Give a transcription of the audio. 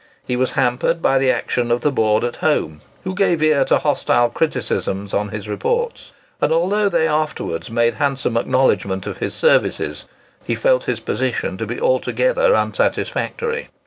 He was hampered by the action of the Board at home, who gave ear to hostile criticisms on his reports; and, although they afterwards made handsome acknowledgment of his services, he felt his position to be altogether unsatisfactory.